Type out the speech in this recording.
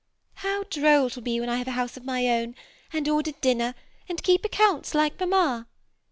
^ How droll it will be when I have a house of my own, and order dinner, and keep accounts, like mamma